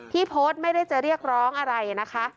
ที่โพสต์ไม่ได้จะเรียกร้องอะไรนะคะ